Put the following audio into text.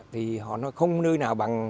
thì họ nói không nơi nào bằng